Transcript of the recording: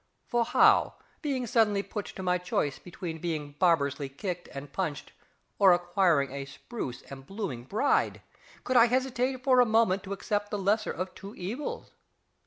For how, being suddenly put to my choice between being barbarously kicked and punched or acquiring a spruce and blooming bride, could I hesitate for a moment to accept the lesser of two evils?